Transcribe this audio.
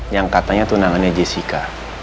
yang katanya tunangannya jessica